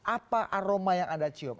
apa aroma yang anda cium